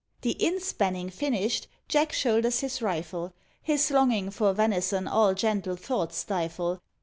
The "inspanning" finished, Jack shoulders his rifle; His longing for venison all gentle thoughts stifle.